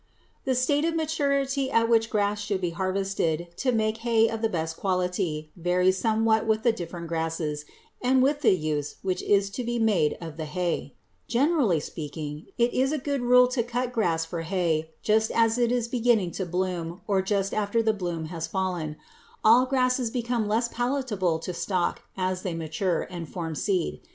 ALFALFA THE WONDERFUL The first crop of the season is being cut and stored for winter] The state of maturity at which grass should be harvested to make hay of the best quality varies somewhat with the different grasses and with the use which is to be made of the hay. Generally speaking, it is a good rule to cut grass for hay just as it is beginning to bloom or just after the bloom has fallen. All grasses become less palatable to stock as they mature and form seed.